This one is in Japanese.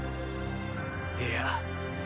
いや。